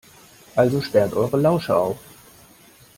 Also sperrt eure Lauscher auf!